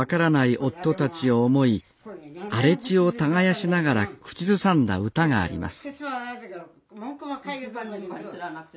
夫たちを思い荒れ地を耕しながら口ずさんだ歌があります